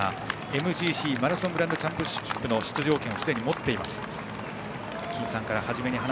ＭＧＣ＝マラソングランドチャンピオンシップの出場権をすでに持っています。